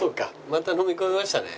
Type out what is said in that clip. また飲み込みましたね。